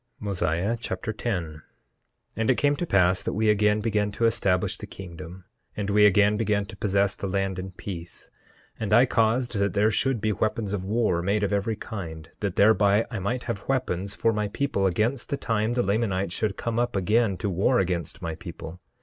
Mosiah Chapter 10 10:1 And it came to pass that we again began to establish the kingdom and we again began to possess the land in peace. And I caused that there should be weapons of war made of every kind, that thereby I might have weapons for my people against the time the Lamanites should come up again to war against my people.